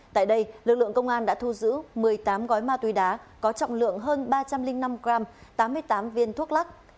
tại đây lực lượng công an đã thu giữ một mươi tám gói ma túy đá có trọng lượng hơn ba trăm linh năm gram tám mươi tám viên thuốc lắc